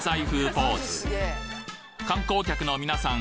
ポーズ観光客の皆さん